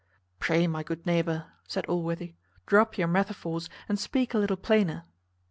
"Pray, my good neighbour," said Allworthy, "drop your metaphors, and speak a little plainer."